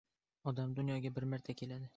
– Odam dunyoga bir marta keladi.